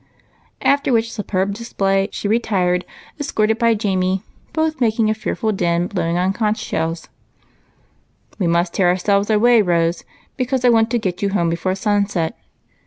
" After which superb display she retired, escorted by UNCLE ALECS ROOM, Q^ Jamie, both making a fearful din blowing on conch shells. "We must tear ourselves away, Rose, because I want to get you home before sunset.